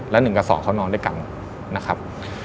และ๑กระสอบเขานอนด้วยกันนะครับ